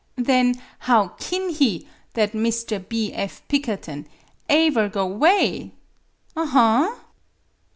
Then, how kin he, that Mr. B. F. Pikkerton, ae ver go 'way? Aha!"